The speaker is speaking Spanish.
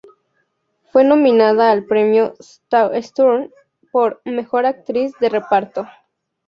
Fue nominada al premio Saturn por "Mejor actriz de reparto".